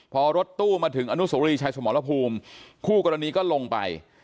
พอรถตู้มาถึงอนุโสรีชายสมรภูมิคู่กรณีก็ลงไป